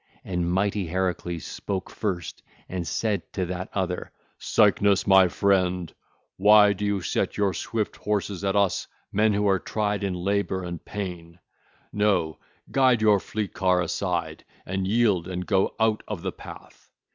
And mighty Heracles spoke first and said to that other: (ll. 350 367) 'Cycnus, good sir! Why, pray, do you set your swift horses at us, men who are tried in labour and pain? Nay, guide your fleet car aside and yield and go out of the path.